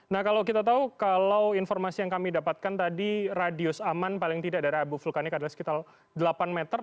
nah kalau kita tahu kalau informasi yang kami dapatkan tadi radius aman paling tidak dari abu vulkanik adalah sekitar delapan meter